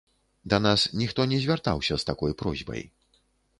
Да нас ніхто не звяртаўся з такой просьбай.